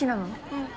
うん！